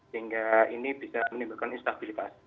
sehingga ini bisa menimbulkan instabilitas